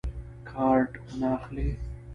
کارټ نه اخلي.